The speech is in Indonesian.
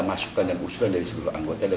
masukan dan usulan dari seluruh anggota dan